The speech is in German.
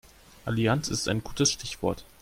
Allianz ist ein gutes Stichwort.